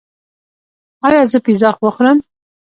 ایا زه پیزا وخورم؟